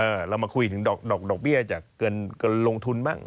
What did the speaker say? เรามาคุยถึงดอกดอกเบี้ยจากเกินลงทุนบ้าง